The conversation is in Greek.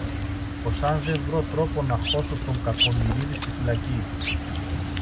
πως αν δε βρω τρόπο να χώσω τον Κακομοιρίδη στη φυλακή